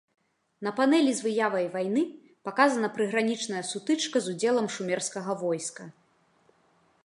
На панэлі з выявай вайны паказана прыгранічная сутычка з удзелам шумерскага войска.